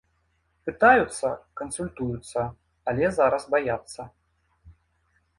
Пытаюцца, кансультуюцца, але зараз баяцца.